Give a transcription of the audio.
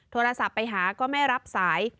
โทรศัพท์ไปหาก็ไม่รับสาย